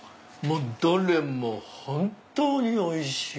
どれも本当においしい！